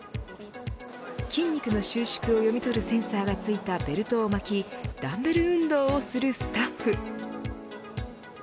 筋肉の収縮を読み取るセンサーがついたベルトを巻きダンベル運動をするスタッフ。